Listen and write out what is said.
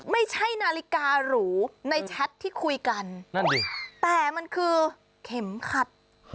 ไม่ใช่นาฬิการูในแชทที่คุยกันนั่นดิแต่มันคือเข็มขัด